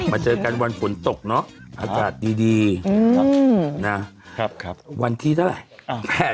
มาเจอกันวันฝนตกเนอะอัจจัดดีดีนะครับครับวันที่เท่าไร